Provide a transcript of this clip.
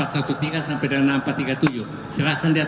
sampai dengan empat ratus tiga puluh tujuh silahkan lihat